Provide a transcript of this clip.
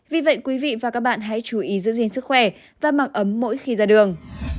vì vậy quý vị và các bạn hãy chú ý giữ gìn sức khỏe và mặc ấm mỗi khi ra đường